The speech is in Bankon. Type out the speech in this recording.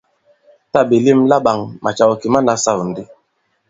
Tǎ ɓè lem laɓāŋ, màcàw kì ma nasâw ndi.